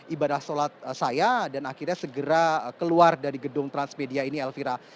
ibadah sholat saya dan akhirnya segera keluar dari gedung transmedia ini elvira